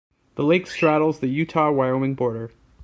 The lake straddles the Utah-Wyoming border.